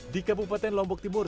di kabupaten lombok timur